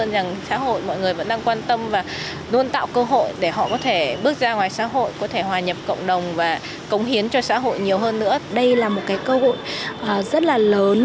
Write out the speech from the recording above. là một cơ hội rất lớn